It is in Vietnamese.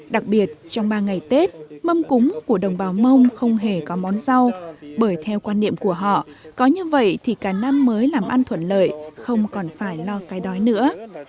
đặc biệt trong ba ngày tết mâm cúng của đồng bào mông không hề có món rau bởi theo quan niệm của họ có như vậy thì cả năm mới làm ăn thuận lợi không còn phải lo cái đói nữa